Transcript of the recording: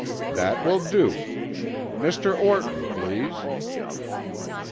"That will do. Mr. Orton, please."